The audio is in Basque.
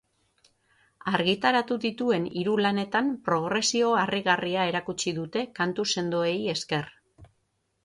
Argitaratu dituen hiru lanetan progresio harrigarria erakutsi dute kantu sendoei esker.